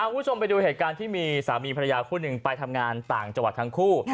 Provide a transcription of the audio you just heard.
คุณผู้ชมไปดูเหตุการณ์ที่มีสามีภรรยาคู่หนึ่งไปทำงานต่างจังหวัดทั้งคู่